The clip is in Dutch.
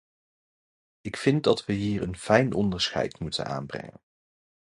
Ik vind dat wij hier een fijn onderscheid moeten aanbrengen.